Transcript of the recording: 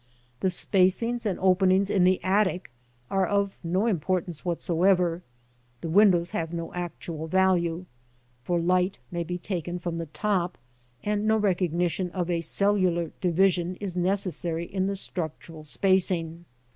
The spacings and openings in the attic are of no importance whatsoever (the win dows have no actual value), for light may be taken from the top, and no recognition of a cellular division is necessary in the structural spacing.